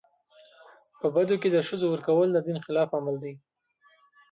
په بدو کي د ښځو ورکول د دین خلاف عمل دی.